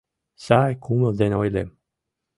Сай кумыл ден ойлем